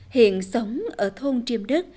hiện sống ở thôn triêm đức